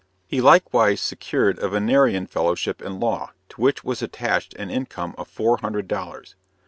He likewise secured a Vinerian fellowship in law, to which was attached an income of four hundred dollars.